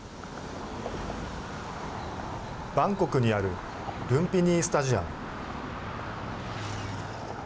バンコクにあるルンピニー・スタジアム。